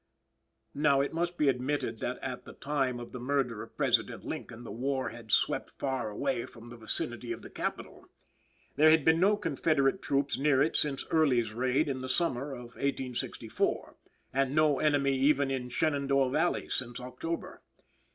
Now, it must be admitted that at the time of the murder of President Lincoln the war had swept far away from the vicinity of the Capital. There had been no Confederate troops near it since Early's raid in the summer of 1864, and no enemy even in the Shenandoah Valley since October.